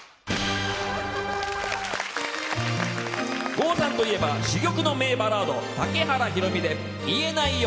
郷さんといえば珠玉の名バラード竹原ひろみで「言えないよ」。